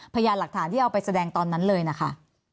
พยานหลักฐานที่เอาไปแสดงตอนนั้นเลยนะคะ